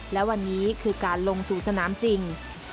และวันนี้คือการลงสู่สนามจริง